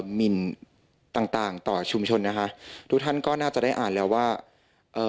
หมินต่างต่างต่อชุมชนนะคะทุกท่านก็น่าจะได้อ่านแล้วว่าเอ่อ